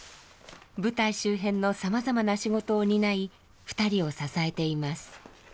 舞台周辺のさまざまな仕事を担い２人を支えています。